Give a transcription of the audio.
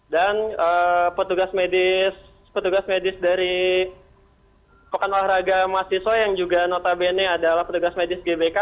dan petugas medis dari pekan olahraga mahasiswa yang juga notabene adalah petugas medis gbk